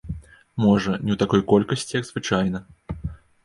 Можа, не ў такой колькасці, як звычайна.